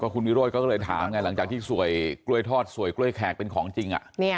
คุณวิโรธเขาก็เลยถามไงหลังจากที่สวยกล้วยทอดสวยกล้วยแขกเป็นของจริง